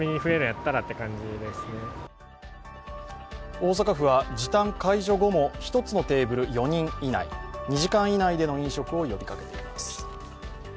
大阪府は時短解除後も１つのテーブル４人以内２時間以内の飲食を呼びかけています。